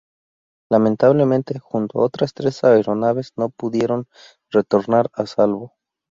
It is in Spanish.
Lamentablemente, junto a otras tres aeronaves, no pudieron retornar a salvo.